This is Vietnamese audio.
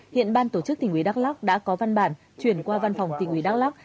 hiện ban tổ chức tỉnh ủy đắk lắc đã có văn bản chuyển qua văn phòng tỉnh ủy đắk lắc